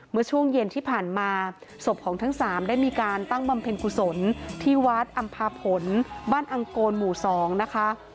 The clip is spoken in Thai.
เมื่อช่วงเย็นที่ผ่านมาศพของทั้งสามได้มีการตั้งบำเพ็ญกุศลที่วัดอำพาผลบ้านอังโกนหมู่๒นะคะ